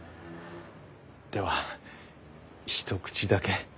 では一口だけ。